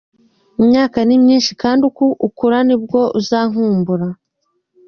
Imyaka ni myinshi, kandi uko ikura nibwo uzankumbura.